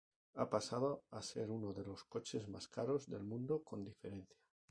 Ha pasado a ser uno de los coches más caros del mundo con diferencia.